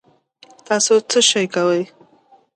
تاسو څه شئ کوی